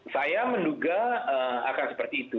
saya menduga akan seperti itu